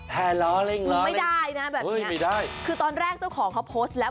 แพร่ล้อเล่งล้อเล่งไม่ได้นะแบบนี้คือตอนแรกเจ้าของเขาโพสต์แล้ว